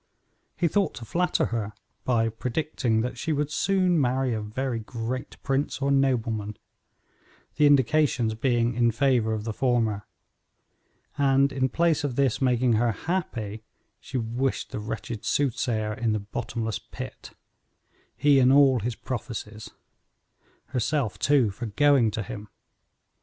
He thought to flatter her by predicting that she would soon marry a very great prince or nobleman, the indications being in favor of the former, and, in place of this making her happy, she wished the wretched soothsayer in the bottomless pit he and all his prophecies; herself, too, for going to him.